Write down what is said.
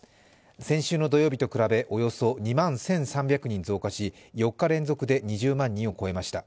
先週の土曜日と比べおよそ２万１３００人増加し、４日連続で２０万人を超えました。